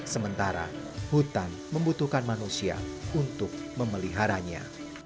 sementara hutan membutuhkan manusia untuk memeliharanya